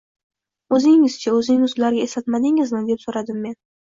— O’zingiz-chi? O’zingiz ularga eslatmadingizmi? – deb so’radim men.